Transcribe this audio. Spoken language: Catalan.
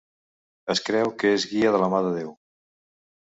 Es creu que es guia de la mà de Déu.